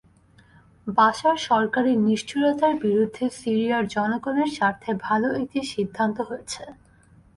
বাশার সরকারের নিষ্ঠুরতার বিরুদ্ধে সিরিয়ার জনগণের স্বার্থে ভালো একটি সিদ্ধান্ত হয়েছে।